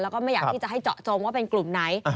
แล้วก็ไม่อยากที่จะให้เจาะจงว่าเป็นกลุ่มไหน